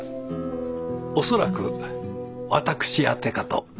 恐らく私宛てかと。